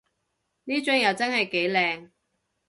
呢張又真係幾靚